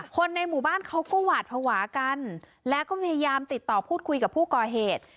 คนในหมู่บ้านเขาก็หวาดภาวะกันแล้วก็พยายามติดต่อพูดคุยกับผู้ก่อเหตุ